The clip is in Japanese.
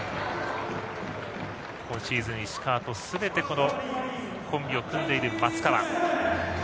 今シーズン、石川とすべてコンビを組んでいる松川。